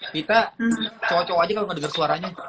kita cowok cowok aja kalau gak dengar suaranya